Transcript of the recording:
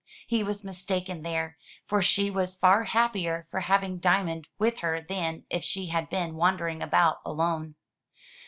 He was mistaken there, for she was far happier for having Diamond with her than if she had been wandering about alone.